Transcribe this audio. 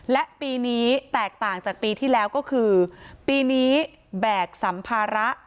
และปีนี้แตกต่างจากปีที่แล้วก็คือปีนี้แบกสัมภาระ